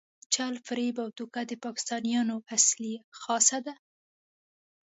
چل، فریب او دوکه د پاکستانیانو اصلي خاصه ده.